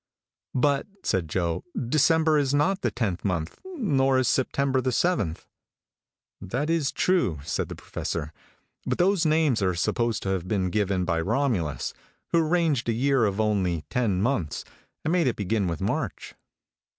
"But," said Joe, "December is not the tenth month, nor is September the seventh." "That is true," said the Professor; "but those names are supposed to have been given by Romulus, who arranged a year of only ten months, and made it begin with March.